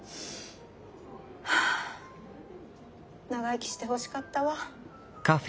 長生きしてほしかったわ。